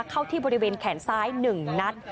เข้าที่บริเวณแขนซ้าย๑นัด